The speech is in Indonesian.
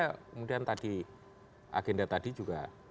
kemudian tadi agenda tadi juga